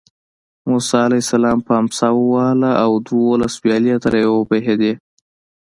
موسی علیه السلام په امسا ووهله او دولس ویالې ترې وبهېدې.